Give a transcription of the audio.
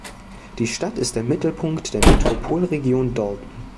Die Stadt ist der Mittelpunkt der Metropolregion Dalton.